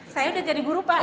saya udah jadi guru pak